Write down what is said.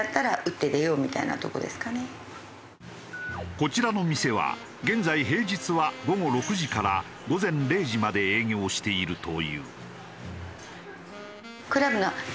こちらの店は現在平日は午後６時から午前０時まで営業しているという。